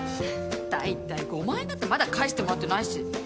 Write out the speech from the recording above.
大体、５万円だってまだ返してもらってないし。